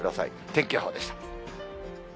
天気予報でした。